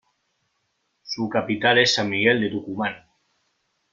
Su capital es San Miguel de Tucumán.